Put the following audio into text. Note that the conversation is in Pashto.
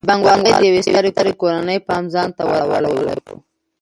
د بانک والۍ د یوې سترې کورنۍ پام ځان ته ور اړولی و.